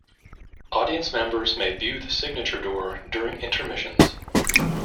Audience members may view the signature door during intermissions.